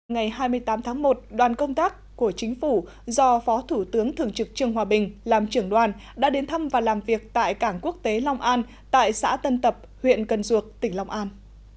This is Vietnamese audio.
ngày hai mươi tám tháng một đoàn công tác của chính phủ do phó thủ tướng thường trực trương hòa bình làm trưởng đoàn đã đến thăm và làm việc tại cảng quốc tế long an tại xã tân tập huyện cần duộc tỉnh long an